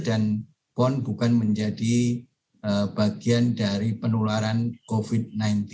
dan pon bukan menjadi bagian dari penularan covid sembilan belas